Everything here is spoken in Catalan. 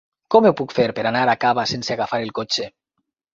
Com ho puc fer per anar a Cava sense agafar el cotxe?